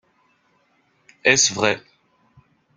Est-ce vrai?